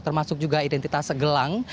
termasuk juga identitas segelang